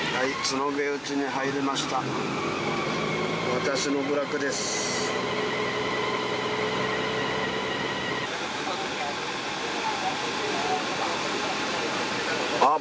私の部落ですあっ